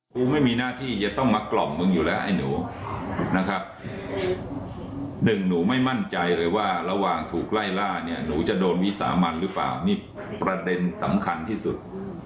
กูไม่มีหน้าที่จะต้องมากล่อมมึงอยู่แล้วไอ้หนูนะครับหนึ่งหนูไม่มั่นใจเลยว่าระหว่างถูกไล่ล่าเนี่ยหนูจะโดนวิสามันหรือเปล่านี่ประเด็นสำคัญที่สุด